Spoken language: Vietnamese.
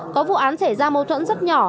có vụ án xảy ra mâu thuẫn rất nhỏ